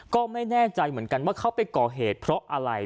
ก็ไม่แน่ใจเหมือนกันว่าเขาไปก่อเหตุเพราะอะไร